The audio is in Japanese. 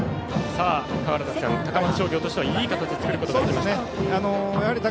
高松商業としてはいい形を作ることができました。